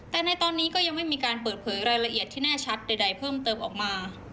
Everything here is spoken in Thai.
แต่ในตอนนี้ก็ยังไม่มีการเปิดเผยรายละเอียดที่แน่ชัดใดเพิ่มเติมออกมา